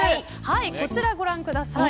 こちらをご覧ください。